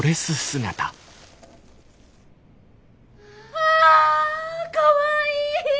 はあかわいい！